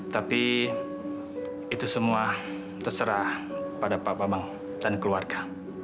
tapi itu semua terserah pada pak bambang dan keluarga